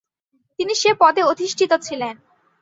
তিনি সে পদে অধিষ্ঠিত ছিলেন।